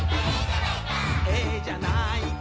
「ええじゃないか」